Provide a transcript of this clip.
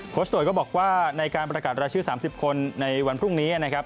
ชด่วนก็บอกว่าในการประกาศรายชื่อ๓๐คนในวันพรุ่งนี้นะครับ